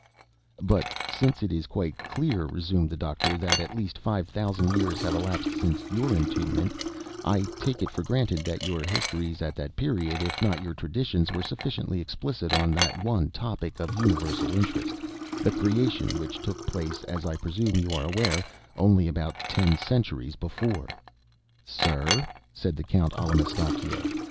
"But since it is quite clear," resumed the Doctor, "that at least five thousand years have elapsed since your entombment, I take it for granted that your histories at that period, if not your traditions were sufficiently explicit on that one topic of universal interest, the Creation, which took place, as I presume you are aware, only about ten centuries before." "Sir!" said the Count Allamistakeo.